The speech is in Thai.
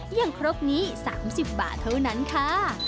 ครกนี้๓๐บาทเท่านั้นค่ะ